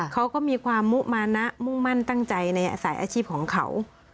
เขาก็มีความมุมานะมุ่งมั่นตั้งใจในอาศัยอาชีพของเขา